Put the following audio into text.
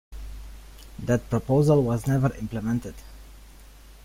That proposal was never implemented.